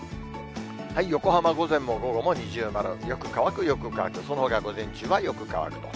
横浜、午前も午後も二重丸、よく乾く、よく乾く、そのほか、午前中はよく乾くと。